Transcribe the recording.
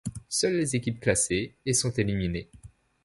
Seules les équipes classées et sont éliminées.